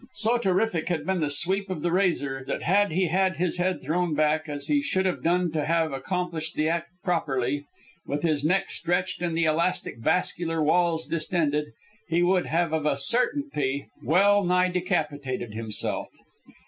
So terrific had been the sweep of the razor that had he had his head thrown back, as he should have done to have accomplished the act properly, with his neck stretched and the elastic vascular walls distended, he would have of a certainty well nigh decapitated himself.